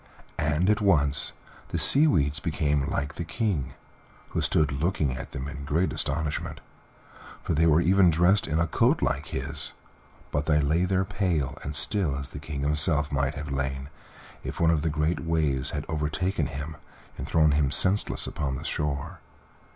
And at once the sea weeds became like the King, who stood looking at them in great astonishment, for they were even dressed in a coat like his, but they lay there pale and still as the King himself might have lain if one of the great waves had overtaken him and thrown him senseless upon the shore.